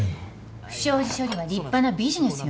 不祥事処理は立派なビジネスよ。